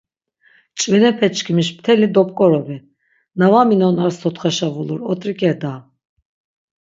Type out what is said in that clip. Ç̌vinepe çkimiş mteli dop̆k̆orobi, na va minon ar sotxaşa vulur ot̆rik̆e da.